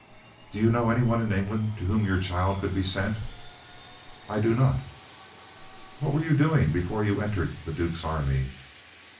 "Do you know any one in England to whom your child could be sent?" "I do not." "What were you doing before you entered the duke's army?"